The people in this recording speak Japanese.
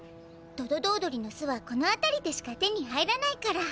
ドドドー鳥の巣はこのあたりでしか手に入らないから。